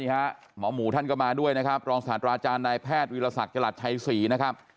หมอหมูท่านก็มาด้วยรองศาลตราจารย์ในแพทย์วิราษัทข์จรหลัฐชัยสีนะครับ